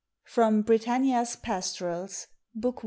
from "Britannia's pastorals," bk.